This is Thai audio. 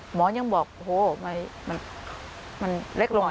หมอยังบอกโหมันเล็กลง